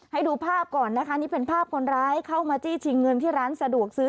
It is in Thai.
ให้ดูภาพก่อนนะคะนี่เป็นภาพคนร้ายเข้ามาจี้ชิงเงินที่ร้านสะดวกซื้อ